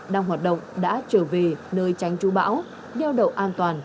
đang hoạt động đã trở về nơi tránh trú bão nêu đậu an toàn